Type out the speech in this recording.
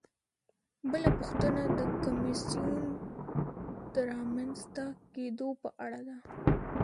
بله پوښتنه د کمیسیون د رامنځته کیدو په اړه ده.